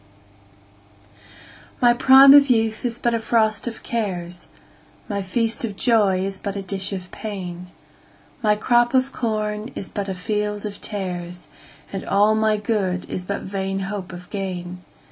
1My prime of youth is but a frost of cares,2My feast of joy is but a dish of pain,3My crop of corn is but a field of tares,4And all my good is but vain hope of gain.